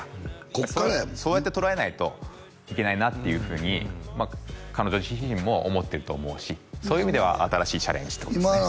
こっからやもんなそうやって捉えないといけないなっていうふうに彼女自身も思ってると思うしそういう意味では新しいチャレンジってことですね